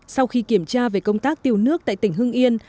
sau khi kiểm tra về công tác tiêu nước tại tỉnh hưng yên